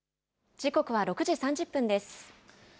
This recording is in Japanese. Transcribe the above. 時刻は６時３０分です。